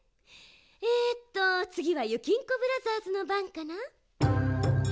えとつぎはゆきんこブラザーズのばんかな。